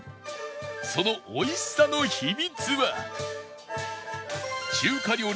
その美味しさの秘密は